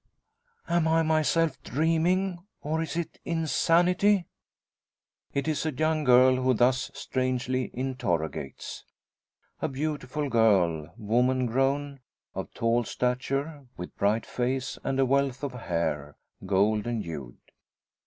"Am I myself? Dreaming? Or, is it insanity?" It is a young girl who thus strangely interrogates. A beautiful girl, woman grown, of tall stature, with bright face and a wealth of hair, golden hued.